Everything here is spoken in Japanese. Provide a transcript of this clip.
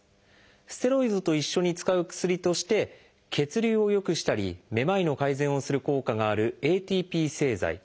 ステロイドと一緒に使う薬として血流を良くしたりめまいの改善をする効果があるＡＴＰ製剤。